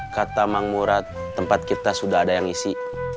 kata mang murad tempat kita sudah ada yang isi